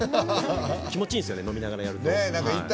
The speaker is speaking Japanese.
気持ちいいんですよね飲みながらやると。